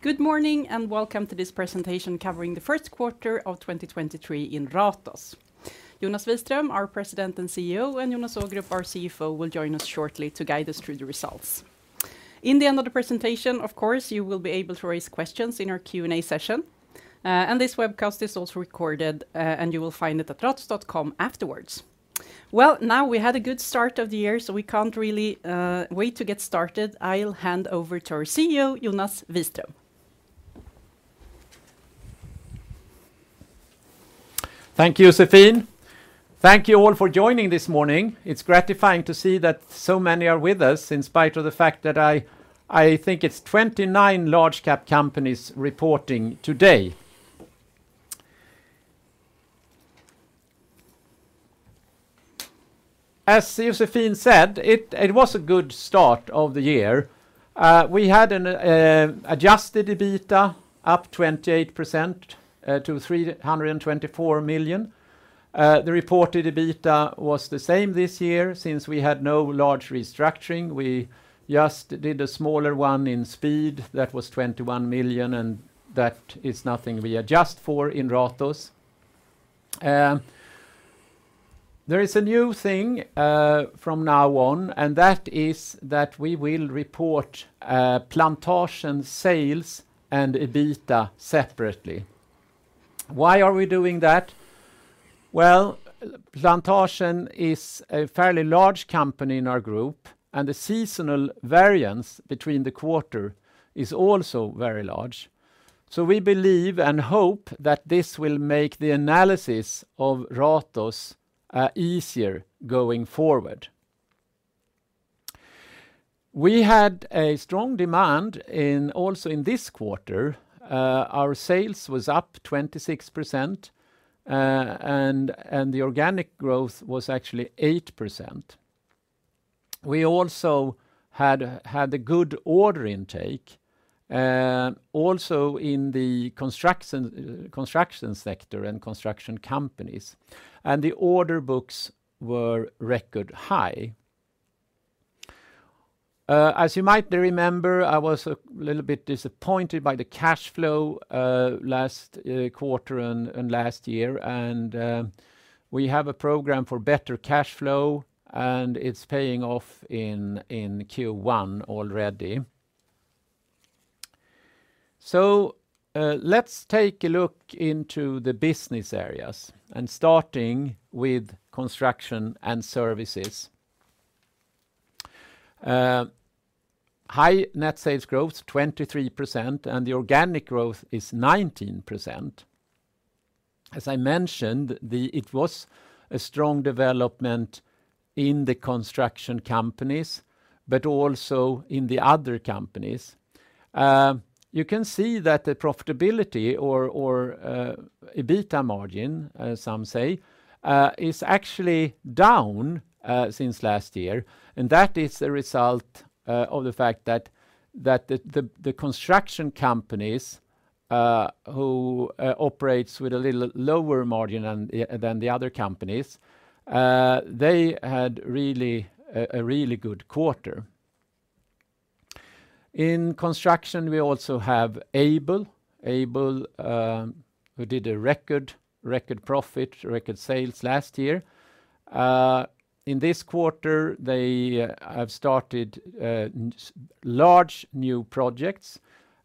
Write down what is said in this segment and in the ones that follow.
Good morning, welcome to this presentation covering the first quarter of 2023 in Ratos. Jonas Wiström, our President and CEO, and Jonas Ågrup, our CFO, will join us shortly to guide us through the results. In the end of the presentation, of course, you will be able to raise questions in our Q&A session. This webcast is also recorded, and you will find it at ratos.com afterwards. Well, now we had a good start of the year, so we can't really wait to get started. I'll hand over to our CEO, Jonas Wiström. Thank you, Josefin. Thank you all for joining this morning. It's gratifying to see that so many are with us in spite of the fact that I think it's 29 large cap companies reporting today. As Josefin said, it was a good start of the year. We had an adjusted EBITDA up 28% to 324 million. The reported EBITDA was the same this year since we had no large restructuring. We just did a smaller one in Speed that was 21 million. That is nothing we adjust for in Ratos. There is a new thing from now on. That is that we will report Plantasjen sales and EBITDA separately. Why are we doing that? Well, Plantasjen is a fairly large company in our group. The seasonal variance between the quarter is also very large. We believe and hope that this will make the analysis of Ratos easier going forward. We had a strong demand also in this quarter. Our sales was up 26%, and the organic growth was actually 8%. We also had a good order intake also in the construction sector and construction companies, and the order books were record high. As you might remember, I was a little bit disappointed by the cash flow last quarter and last year and we have a program for better cash flow, and it's paying off in Q1 already. Let's take a look into the business areas and starting with construction and services. High net sales growth, 23%, and the organic growth is 19%. As I mentioned, it was a strong development in the construction companies, also in the other companies. You can see that the profitability or EBITDA margin, as some say, is actually down since last year. That is a result of the fact that the construction companies, who operates with a little lower margin than the other companies, they had really a really good quarter. In construction, we also have Aibel. Aibel, who did a record profit, record sales last year. In this quarter, they have started large new projects,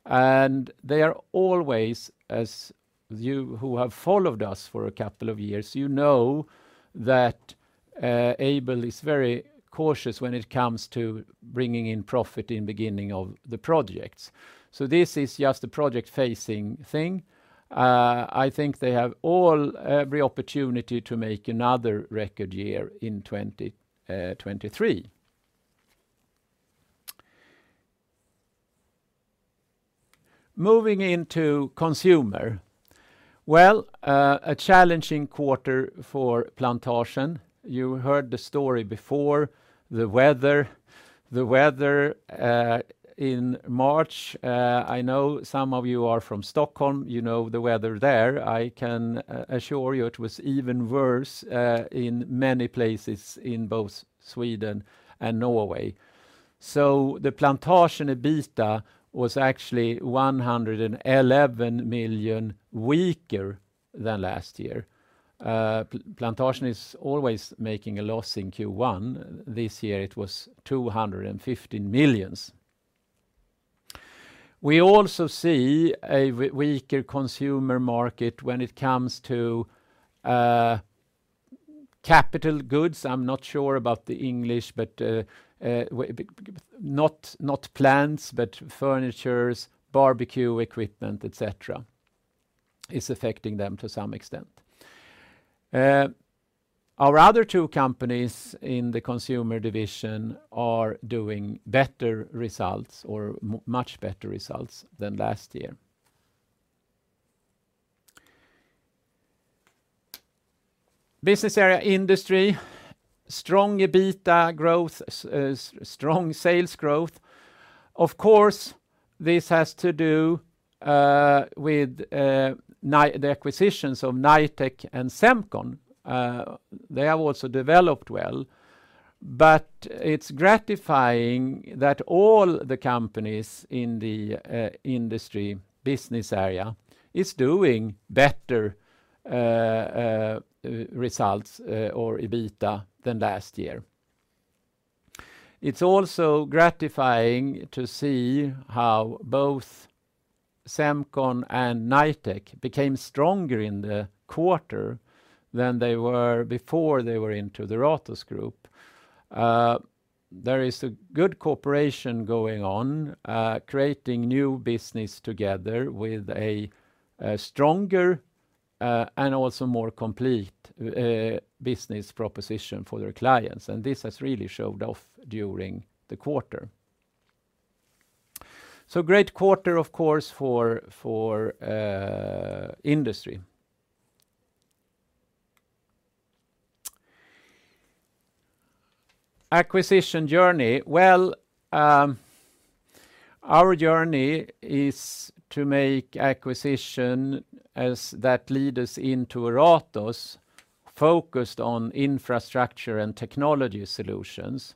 they are always, as you who have followed us for a couple of years, you know that Aibel is very cautious when it comes to bringing in profit in beginning of the projects. This is just a project-facing thing. I think they have every opportunity to make another record year in 2023. Moving into consumer. A challenging quarter for Plantasjen. You heard the story before, the weather. The weather in March, I know some of you are from Stockholm. You know the weather there. I can assure you it was even worse in many places in both Sweden and Norway. The Plantasjen EBITDA was actually 111 million weaker than last year. Plantasjen is always making a loss in Q1. This year, it was 215 million. We also see a weaker consumer market when it comes to capital goods. I'm not sure about the English, but not plants, but furnitures, barbecue equipment, et cetera, is affecting them to some extent. Our other two companies in the consumer division are doing better results or much better results than last year. Business area industry, strong EBITDA growth, strong sales growth. Of course, this has to do with the acquisitions of Knightec and Semcon. They have also developed well. It's gratifying that all the companies in the industry business area is doing better results or EBITDA than last year. It's also gratifying to see how both Semcon and Knightec became stronger in the quarter than they were before they were into the Ratos group. There is a good cooperation going on, creating new business together with a stronger and also more complete business proposition for their clients. This has really showed off during the quarter. Great quarter, of course, for industry. Acquisition journey. Our journey is to make acquisition as that lead us into Ratos focused on infrastructure and technology solutions.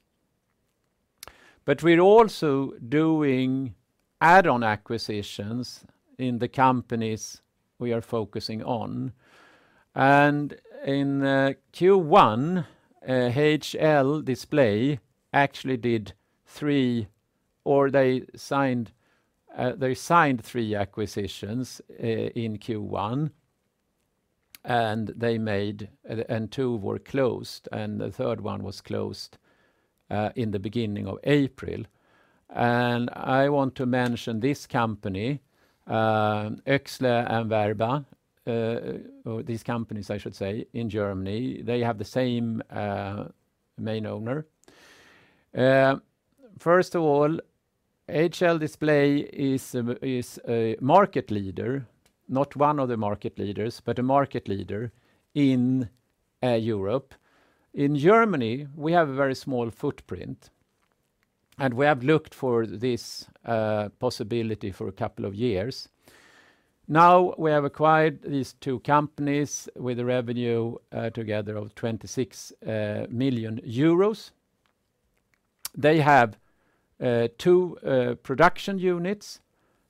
We're also doing add-on acquisitions in the companies we are focusing on. In Q1, HL Display actually did three, or they signed, they signed three acquisitions in Q1, and two were closed, and the third one was closed in the beginning of April. I want to mention this company, Oechsle and Werba, or these companies, I should say, in Germany, they have the same main owner. First of all, HL Display is a market leader, not one of the market leaders, but a market leader in Europe. In Germany, we have a very small footprint, and we have looked for this possibility for a couple of years. Now we have acquired these two companies with a revenue together of 26 million euros. They have two production units,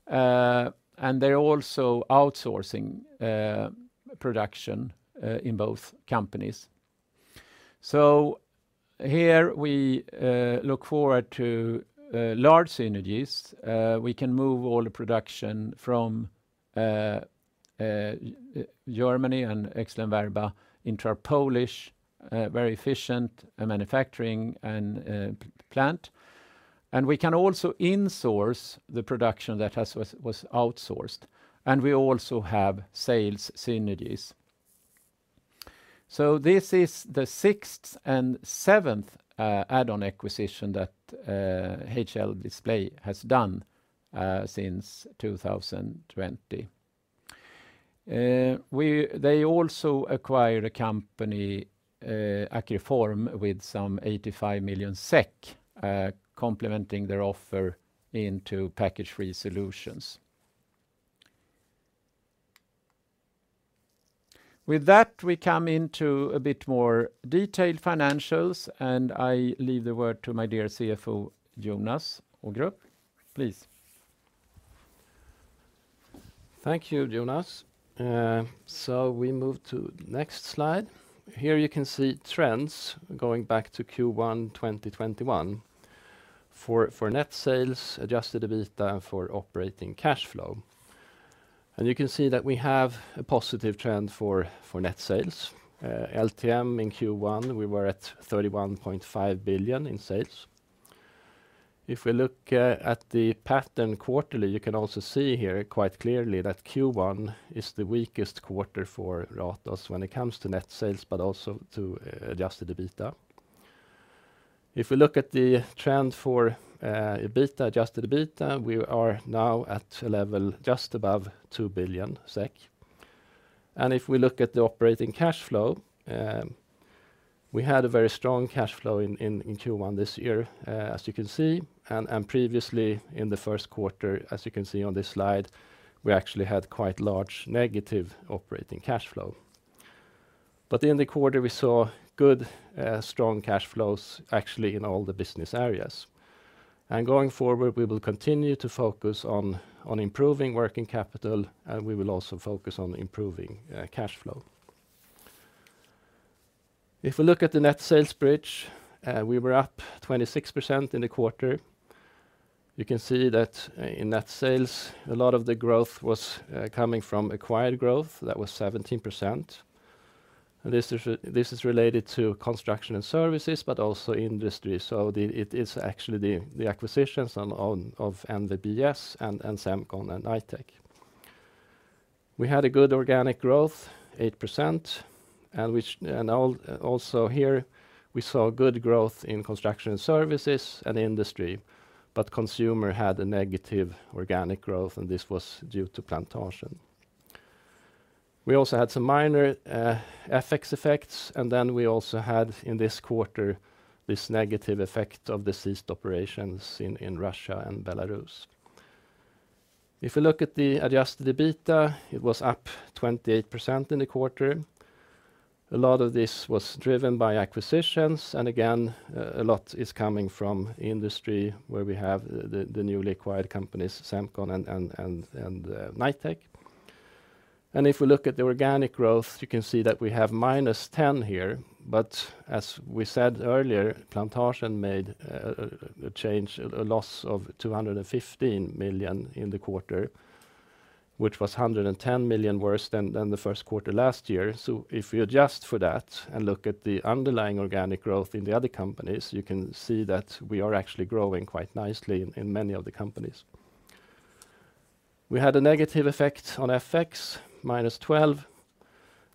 and they're also outsourcing production in both companies. Here we look forward to large synergies. We can move all the production from Germany and Oechsle and Werba into our Polish, very efficient manufacturing and plant. We can also insource the production that has outsourced. We also have sales synergies. This is the sixth and seventh add-on acquisition that HL Display has done since 2020. They also acquired a company, Akriform, with some 85 million SEK, complementing their offer into package-free solutions. With that, we come into a bit more detailed financials, and I leave the word to my dear CFO, Jonas Ågrup. Please. Thank you, Jonas. We move to the next slide. Here you can see trends going back to Q1 2021 for net sales, adjusted EBITDA for operating cash flow. You can see that we have a positive trend for net sales. LTM in Q1, we were at 31.5 billion in sales. If we look at the pattern quarterly, you can also see here quite clearly that Q1 is the weakest quarter for Ratos when it comes to net sales, but also to adjusted EBITDA. If we look at the trend for adjusted EBITDA, we are now at a level just above 2 billion SEK. If we look at the operating cash flow, we had a very strong cash flow in Q1 this year, as you can see. Previously in the first quarter, as you can see on this slide, we actually had quite large negative operating cash flow. In the quarter, we saw good strong cash flows actually in all the business areas. Going forward, we will continue to focus on improving working capital, and we will also focus on improving cash flow. If we look at the net sales bridge, we were up 26% in the quarter. You can see that in net sales, a lot of the growth was coming from acquired growth. That was 17%. This is related to construction and services, but also industry. It is actually the acquisitions of NVBS and Semcon and Knightec. We had a good organic growth, 8%. Here we saw good growth in construction and services and industry, but consumer had a negative organic growth. This was due to Plantasjen. We also had some minor FX effects. We also had in this quarter this negative effect of the ceased operations in Russia and Belarus. If you look at the adjusted EBITDA, it was up 28% in the quarter. A lot of this was driven by acquisitions. Again, a lot is coming from industry where we have the newly acquired companies, Semcon and Knightec. If we look at the organic growth, you can see that we have -10 here. As we said earlier, Plantasjen made a change, a loss of 215 million in the quarter, which was 110 million worse than the first quarter last year. If we adjust for that and look at the underlying organic growth in many of the companies, you can see that we are actually growing quite nicely in many of the companies. We had a negative effect on FX, -12,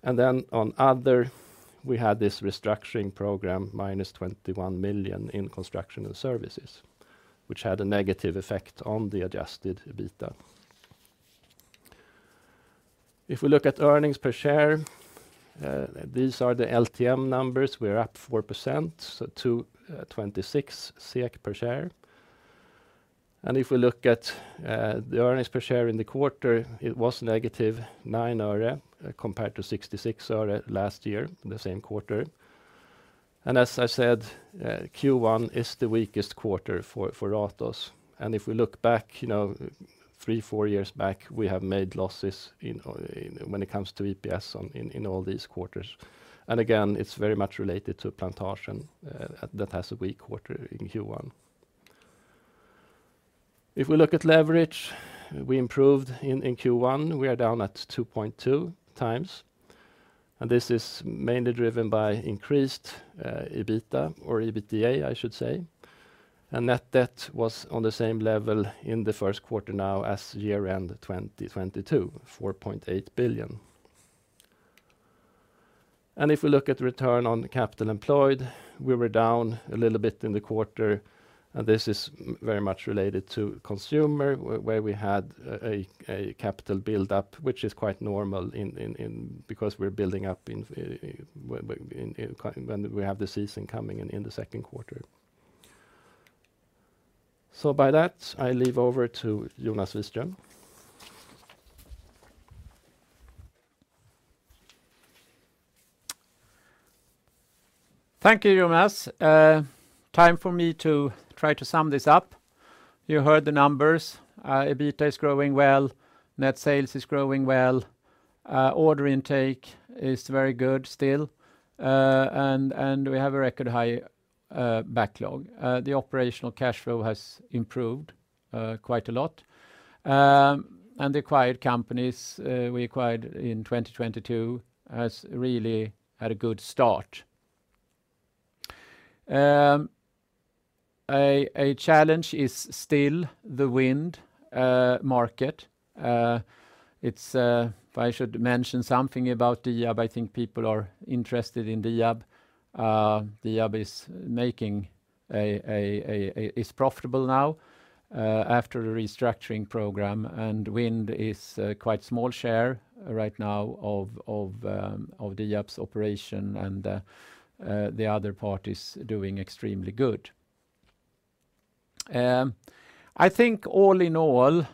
and then on other, we had this restructuring program, -21 million in construction and services, which had a negative effect on the adjusted EBITDA. If we look at earnings per share, these are the LTM numbers. We're up 4%, so 226 SEK per share. If we look at the earnings per share in the quarter, it was -9 Öre compared to 66 Öre last year in the same quarter. As I said, Q1 is the weakest quarter for Aibel. If we look back, you know, three, four years back, we have made losses when it comes to EPS in all these quarters. Again, it's very much related to Plantasjen, that has a weak quarter in Q1. If we look at leverage, we improved in Q1. We are down at 2.2x, and this is mainly driven by increased EBITDA, I should say. Net debt was on the same level in the first quarter now as year-end 2022, 4.8 billion. If we look at return on the capital employed, we were down a little bit in the quarter, and this is very much related to consumer where we had a capital build-up, which is quite normal because we're building up in when we have the season coming in in the second quarter. By that, I leave over to Jonas Wiström. Thank you, Jonas. Time for me to try to sum this up. You heard the numbers. EBITDA is growing well. Net sales is growing well. Order intake is very good still. We have a record high backlog. The operational cash flow has improved quite a lot. The acquired companies we acquired in 2022 has really had a good start. A challenge is still the wind market. It's, if I should mention something about the hub, I think people are interested in the hub. The hub is making is profitable now after a restructuring program, and wind is a quite small share right now of the hub's operation and the other parties doing extremely good. I think all in all,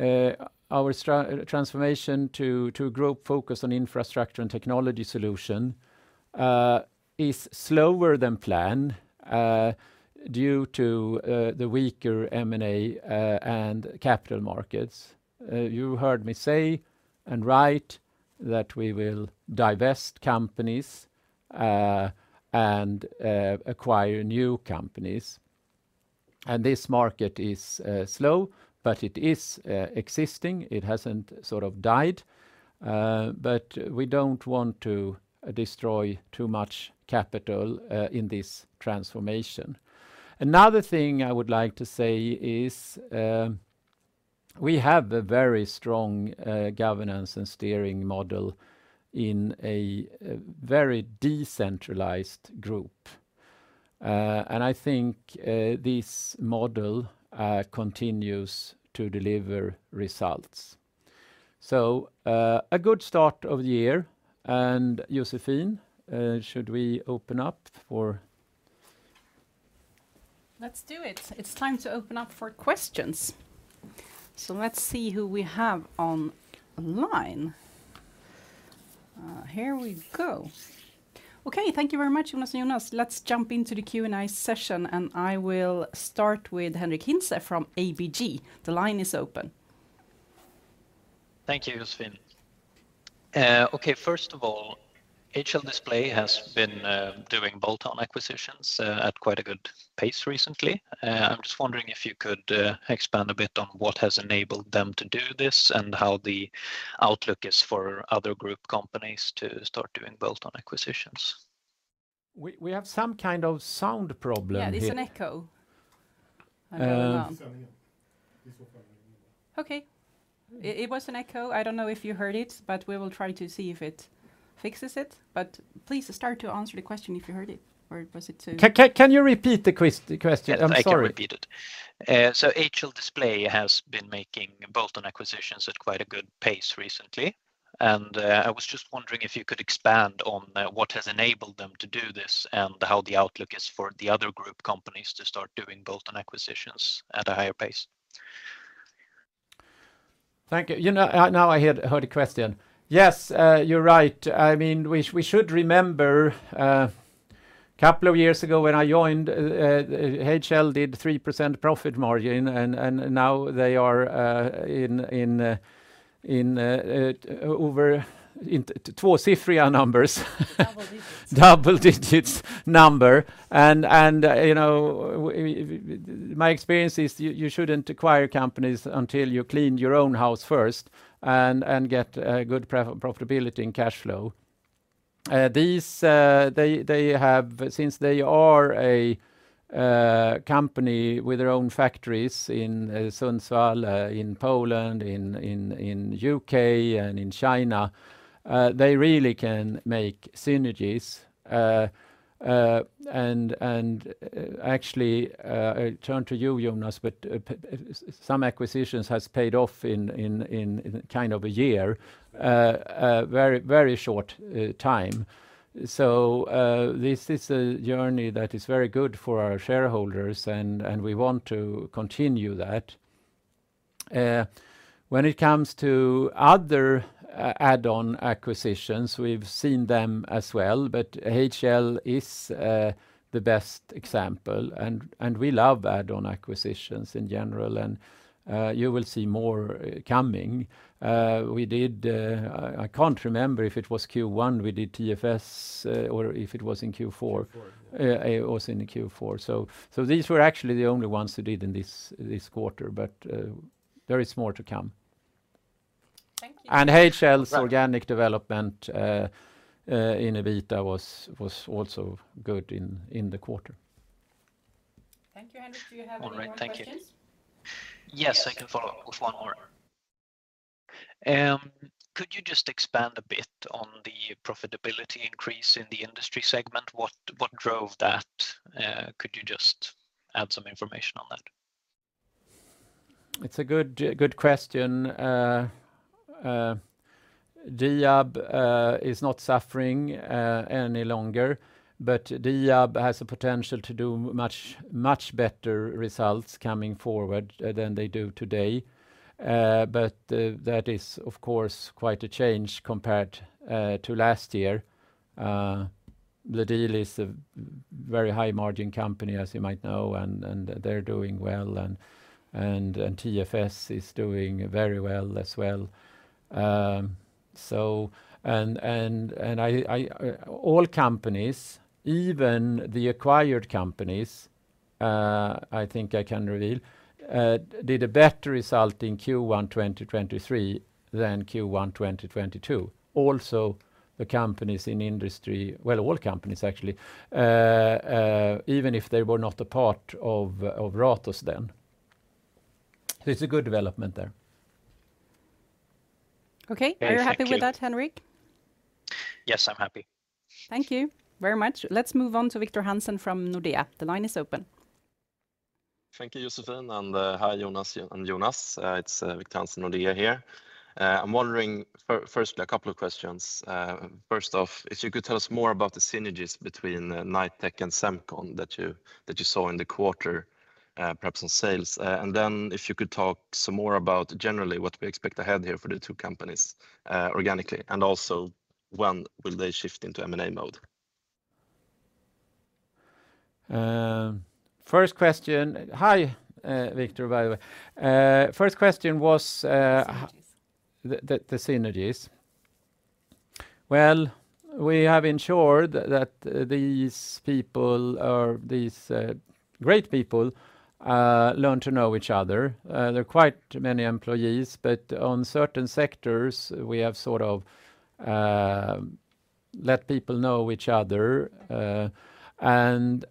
our transformation to group focus on infrastructure and technology solution is slower than planned due to the weaker M&A and capital markets. You heard me say and write that we will divest companies and acquire new companies. This market is slow, but it is existing. It hasn't sort of died, but we don't want to destroy too much capital in this transformation. Another thing I would like to say is, we have a very strong governance and steering model in a very decentralized group. I think this model continues to deliver results. A good start of the year. Josefin, should we open up? Let's do it. It's time to open up for questions. Let's see who we have on-online. Here we go. Okay. Thank you very much, Jonas. Let's jump into the Q&A session. I will start with Henric Hintze from ABG. The line is open. Thank you, Josefin. Okay. First of all, HL Display has been doing bolt-on acquisitions at quite a good pace recently. I'm just wondering if you could expand a bit on what has enabled them to do this and how the outlook is for other group companies to start doing bolt-on acquisitions. We have some kind of sound problem here. Yeah, there's an echo. Okay. It was an echo. I don't know if you heard it, but we will try to see if it fixes it. Please start to answer the question if you heard it, or was it? Can you repeat the question? I'm sorry. Yeah. I can repeat it. HL Display has been making bolt-on acquisitions at quite a good pace recently. I was just wondering if you could expand on what has enabled them to do this and how the outlook is for the other group companies to start doing bolt-on acquisitions at a higher pace? Thank you. You know, now I heard the question. Yes, you're right. I mean, we should remember, couple of years ago when I joined, HL did 3% profit margin, and now they are in over in two-digit numbers. Double digits. Double digits number. You know, my experience is you shouldn't acquire companies until you clean your own house first and get good profitability and cash flow. These, since they are a company with their own factories in Sundsvall, in Poland, in U.K., and in China, they really can make synergies. Actually, I turn to you, Jonas, but some acquisitions has paid off in kind of a year, very, very short time. This is a journey that is very good for our shareholders, and we want to continue that. When it comes to other add-on acquisitions, we've seen them as well, but HL is the best example, and we love add-on acquisitions in general, and you will see more coming. We did, I can't remember if it was Q1 we did TFS, or if it was in Q4. Q4. It was in the Q4. These were actually the only ones we did in this quarter, there is more to come. Thank you. HL's organic development in EBITDA was also good in the quarter. Thank you, Henrik. Do you have any more questions? All right. Thank you. Yes, I can follow up with one more. Could you just expand a bit on the profitability increase in the industry segment? What drove that? Could you just add some information on that? It's a good question. Diab is not suffering any longer, but Diab has the potential to do much better results coming forward than they do today. That is, of course, quite a change compared to last year. The deal is a very high margin company, as you might know, and they're doing well, and TFS is doing very well as well. All companies, even the acquired companies, I think I can reveal, did a better result in Q1 2023 than Q1 2022. Also, the companies in industry, well, all companies actually, even if they were not a part of Ratos then. It's a good development there. Okay. Are you happy with that, Henric? Yes, I'm happy. Thank you very much. Let's move on to Victor Hansen from Nordea. The line is open. Thank you, Josefine. Hi, Jonas and Jonas. It's Victor Hansen, Nordea here. I'm wondering, firstly, a couple of questions. First off, if you could tell us more about the synergies between Knightec and Semcon that you saw in the quarter, perhaps on sales. Then if you could talk some more about generally what we expect ahead here for the two companies, organically, and also when will they shift into M&A mode? First question. Hi, Victor, by the way. First question was the synergies. Well, we have ensured that these people or these great people learn to know each other. There are quite many employees, but on certain sectors, we have sort of let people know each other, and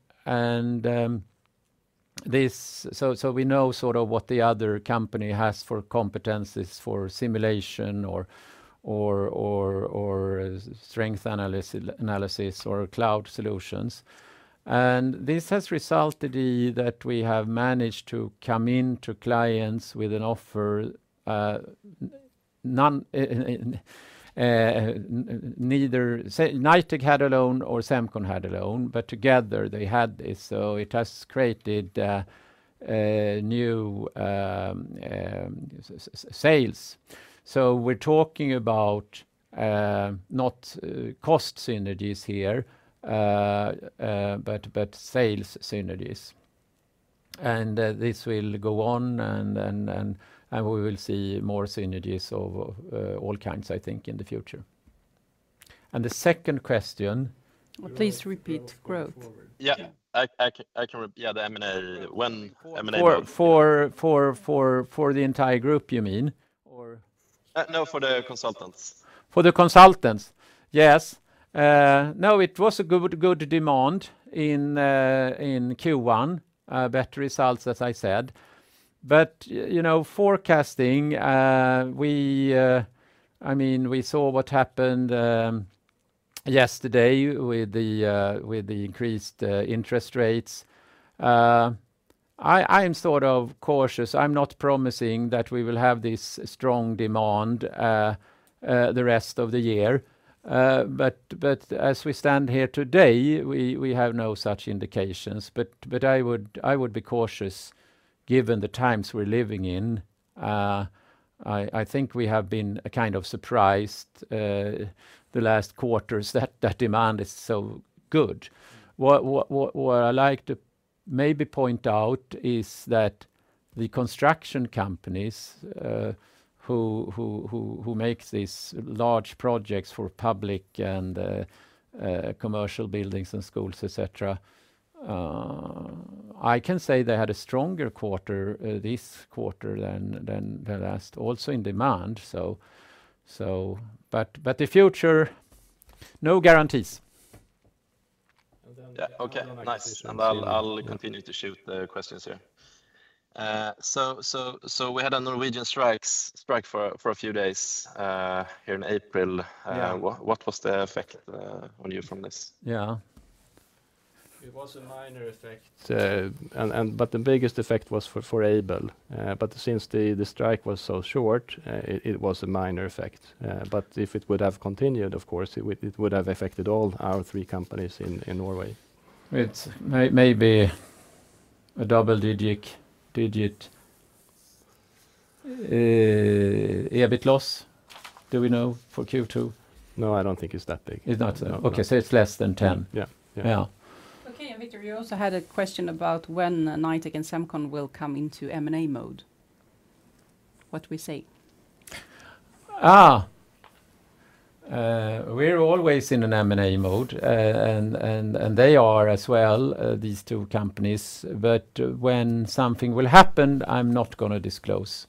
this. We know sort of what the other company has for competencies, for simulation or strength analysis or cloud solutions. This has resulted in that we have managed to come in to clients with an offer, none, neither Knightec had alone or Semcon had alone, but together they had this. It has created a new sales. We're talking about not cost synergies here, but sales synergies. This will go on, and we will see more synergies of all kinds, I think, in the future. The second question. Please repeat. Growth. Yeah. Yeah, the M&A, when M&A mode. For the entire group, you mean? No, for the consultants. For the consultants. Yes. No, it was a good demand in Q1. Better results, as I said. You know, forecasting, I mean, we saw what happened Yesterday with the increased interest rates, I am sort of cautious. I'm not promising that we will have this strong demand the rest of the year. As we stand here today, we have no such indications. I would be cautious given the times we're living in. I think we have been kind of surprised the last quarters that the demand is so good. What I like to maybe point out is that the construction companies who makes these large projects for public and commercial buildings and schools, et cetera, I can say they had a stronger quarter this quarter than the last, also in demand. So. The future, no guarantees. And then the... Yeah. Okay. Nice. One application I'll continue to shoot the questions here. We had a Norwegian strike for a few days here in April. Yeah. What was the effect on you from this? Yeah. It was a minor effect. The biggest effect was for Aibel. Since the strike was so short, it was a minor effect. If it would have continued, of course, it would have affected all our three companies in Norway. It may be a double-digit EBIT loss. Do we know for Q2? No, I don't think it's that big. It's not? No. Okay, it's less than 10? Yeah. Yeah. Yeah. Okay. Victor, you also had a question about when Knightec and Semcon will come into M&A mode. What we say? We're always in an M&A mode. And they are as well, these two companies. When something will happen, I'm not gonna disclose.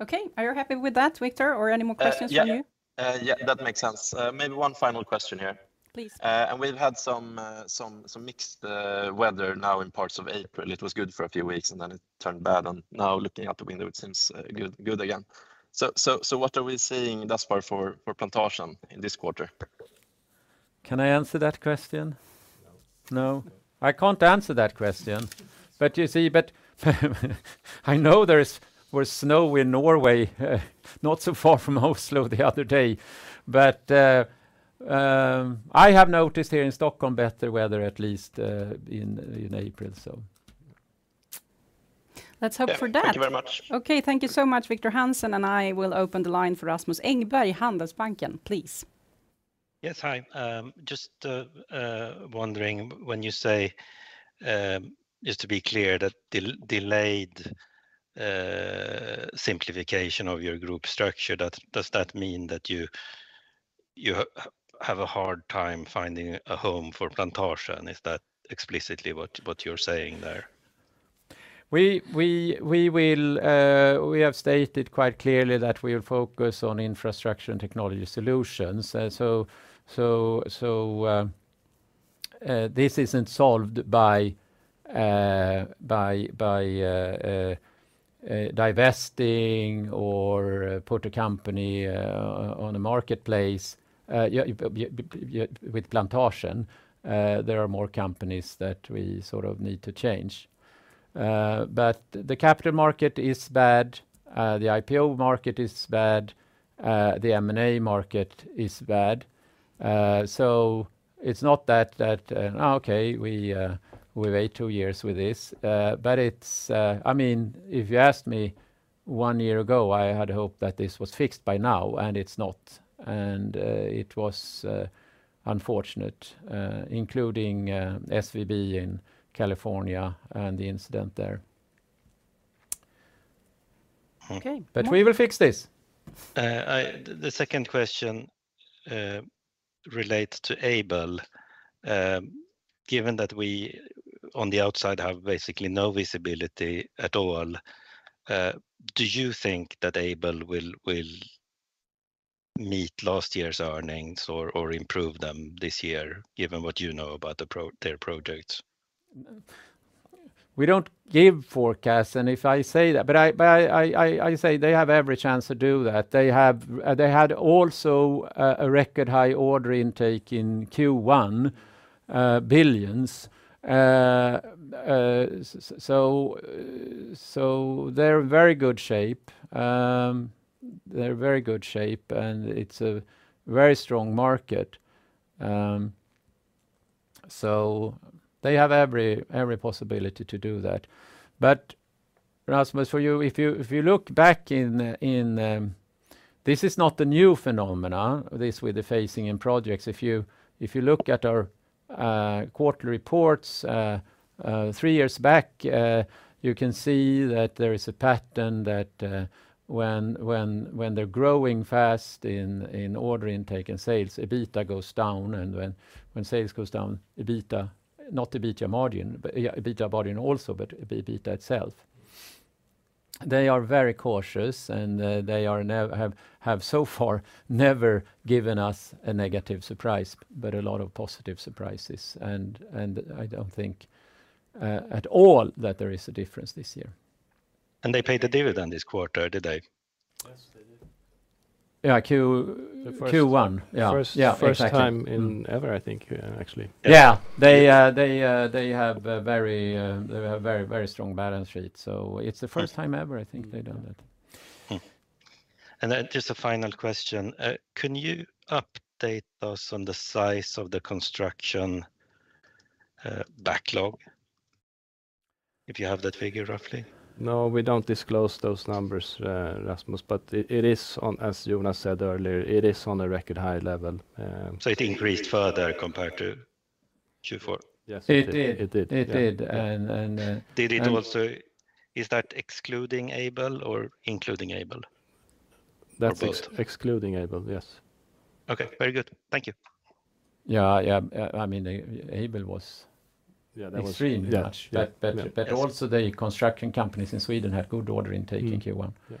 Okay. Are you happy with that, Victor? Any more questions from you? Yeah, yeah, that makes sense. Maybe one final question here. Please. We've had some mixed weather now in parts of April. It was good for a few weeks, then it turned bad. Now looking out the window, it seems good again. What are we seeing thus far for Plantasjen in this quarter? Can I answer that question? No. No? I can't answer that question. You see, but I know there is, was snow in Norway, not so far from Oslo the other day. I have noticed here in Stockholm better weather at least, in April, so. Let's hope for that. Yeah. Thank you very much. Okay, thank you so much, Victor Hansen. I will open the line for Rasmus Engberg, Handelsbanken, please. Yes, hi. Just wondering, when you say, just to be clear that delayed simplification of your group structure, does that mean that you have a hard time finding a home for Plantasjen? Is that explicitly what you're saying there? We will, we have stated quite clearly that we are focused on infrastructure and technology solutions. This isn't solved by divesting or put a company on a marketplace with Plantasjen. There are more companies that we sort of need to change. The capital market is bad. The IPO market is bad. The M&A market is bad. It's not that okay, we wait two years with this. It's, I mean, if you asked me one year ago, I had hoped that this was fixed by now, and it's not. It was unfortunate, including SVB in California and the incident there. Okay. Well. We will fix this. The second question relates to Aibel. Given that we on the outside have basically no visibility at all, do you think that Aibel will meet last year's earnings or improve them this year given what you know about their projects? We don't give forecasts. If I say that. I say they have every chance to do that. They had also a record high order intake in Q1, billions. They're very good shape. They're very good shape. It's a very strong market. They have every possibility to do that. Rasmus, for you, if you look back in this is not a new phenomena, this with the phasing in projects. If you look at our quarterly reports, three years back, you can see that there is a pattern that when they're growing fast in order intake and sales, EBITA goes down, and when sales goes down, EBITA, not EBITA margin, but yeah, EBITA margin also, but EBITA itself. They are very cautious, and they have so far never given us a negative surprise, but a lot of positive surprises. I don't think at all that there is a difference this year. They paid a dividend this quarter, did they? Yes, they did. Yeah. The first. Yeah. First time in ever, I think, actually. Yeah. They have a very strong balance sheet. It's the first time ever I think they've done that. Then just a final question. Can you update us on the size of the construction, backlog, if you have that figure roughly? No, we don't disclose those numbers, Rasmus, but it is on, as Jonas said earlier, it is on a record high level. It increased further compared to Q4? Yes, it did. It did. It did. Yeah. It did, and. Is that excluding Aibel or including Aibel? Or both? That's excluding Aibel, yes. Okay. Very good. Thank you. Yeah, yeah, I mean, Aibel. Yeah, that was. Extremely much. Yeah. Yeah. Also the construction companies in Sweden had good order intake in Q1. Yeah.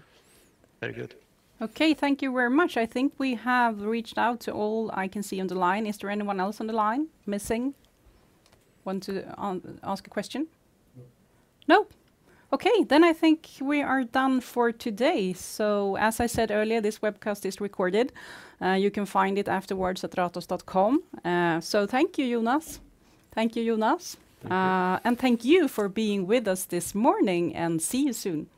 Very good. Okay. Thank you very much. I think we have reached out to all I can see on the line. Is there anyone else on the line missing wanting to ask a question? Nope? Okay, I think we are done for today. As I said earlier, this webcast is recorded. You can find it afterwards at ratos.com. Thank you, Jonas. Thank you, Jonas. Thank you. Thank you for being with us this morning, and see you soon.